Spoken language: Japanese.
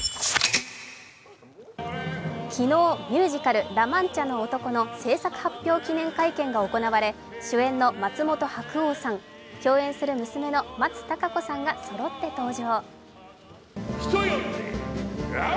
昨日、ミュージカル「ラ・マンチャの男」の制作記念発表会が行われ主演の松本白鸚さん、共演する娘の松たか子さんがそろって登場。